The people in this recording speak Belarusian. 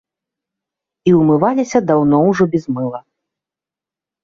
І ўмываліся даўно ўжо без мыла.